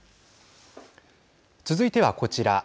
続いては、こちら。